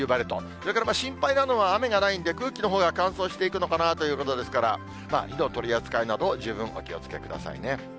それから心配なのは、雨がないんで、空気のほうが乾燥していくのかなということですから、火の取り扱いなど、十分お気をつけくださいね。